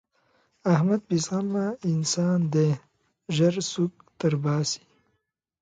احمد بې زغمه انسان دی؛ ژر سوک تر باسي.